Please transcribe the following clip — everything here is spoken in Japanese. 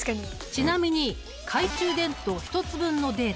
ちなみに懐中電灯１つ分のデータ